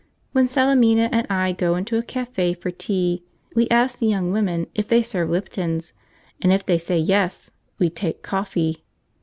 When Salemina and I go into a cafe for tea we ask the young woman if they serve Lipton's, and if they say yes, we take coffee.